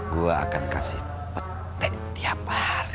gue akan kasih peten tiap hari